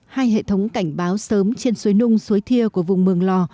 hai hệ thống cảnh báo sớm trên suối nung suối thia của vùng mường lò